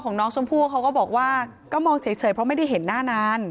น้องชมพู่เขาก็บอกว่าก็มองเฉยเพราะไม่ได้เห็นหน้านาน